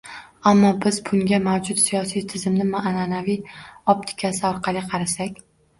Ammo biz bunga mavjud siyosiy tizimning an’anaviy optikasi orqali qarasak